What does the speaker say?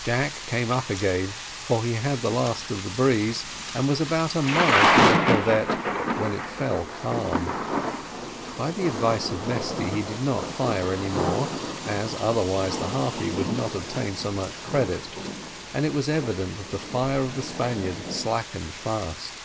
Jack came up again, for he had the last of the breeze, and was about half a mile from the corvette when it fell calm. By the advice of Mesty, he did not fire any more, or otherwise the Harpy would not obtain so much credit, and it was evident that the fire of the Spaniard slackened fast.